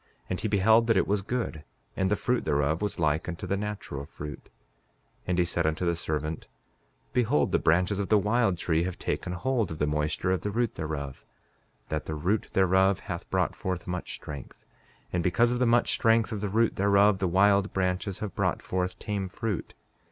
And he beheld that it was good; and the fruit thereof was like unto the natural fruit. 5:18 And he said unto the servant: Behold, the branches of the wild tree have taken hold of the moisture of the root thereof, that the root thereof hath brought forth much strength; and because of the much strength of the root thereof the wild branches have brought forth tame fruit.